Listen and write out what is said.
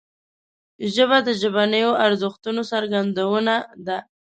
ژبه د ژبنیو ارزښتونو څرګندونه ده